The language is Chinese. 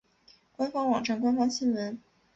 官方网站官方新闻